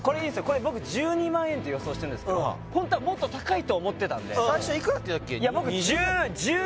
これ僕１２万円って予想してんですけどホントはもっと高いと思ってたんで最初いくらって言ってたっけ？